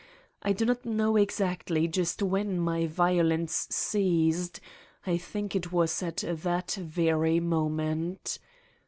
I do not know exactly just when my violins ceased I think it was at that very moment.